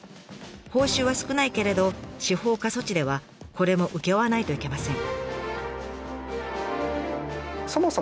報酬は少ないけれど司法過疎地ではこれも請け負わないといけません。